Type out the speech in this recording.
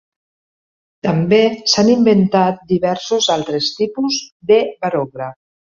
També s'han inventat diversos altres tipus de barògraf.